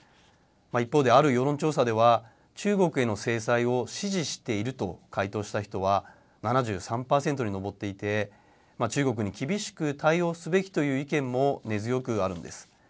一方で、ある世論調査では中国への制裁を支持していると回答した人は７３％に上っていて中国に厳しく対応すべきという意見も根強くあるんです。